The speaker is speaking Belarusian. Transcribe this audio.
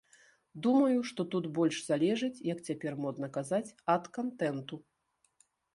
Думаю, што тут больш залежыць, як цяпер модна казаць, ад кантэнту.